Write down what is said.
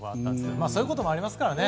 そういうこともありますからね。